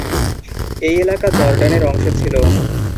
এই এলাকা জর্ডানের অংশ ছিল।